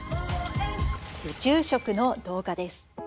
宇宙食の動画です。